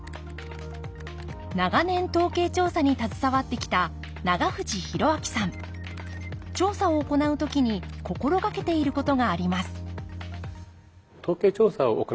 長年統計調査に携わってきた調査を行う時に心掛けていることがあります